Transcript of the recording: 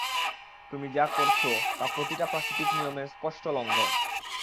তুমি যা করছো তা প্রতিটা প্রাকৃতিক নিয়মের স্পষ্ট লঙ্ঘন।